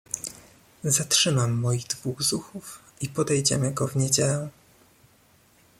"zatrzymam moich dwóch zuchów i podejdziemy go w niedzielę."